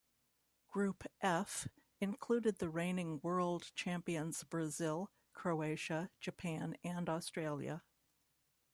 Group F included the reigning World Champions Brazil, Croatia, Japan, and Australia.